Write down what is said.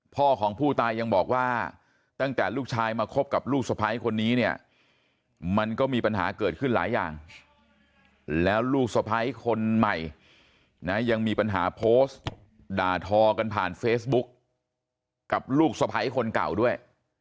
พ่อของผู้ตายยังบอกว่าตั้งแต่ลูกชายมาคบกับลูกสะพ้ายคนนี้เนี่ยมันก็มีปัญหาเกิดขึ้นหลายอย่างแล้วลูกสะพ้ายคนใหม่นะยังมีปัญหาโพสต์ด่าทอกันผ่านเฟซบุ๊กกับลูกสะพ้ายคนเก่าด้วย